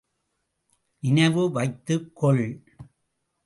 நினைவு வைத்துக் கொள்.